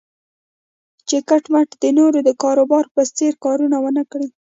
چې کټ مټ د نورو د کاروبار په څېر کارونه و نه کړي.